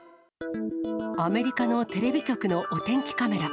アメリカのテレビ局のお天気カメラ。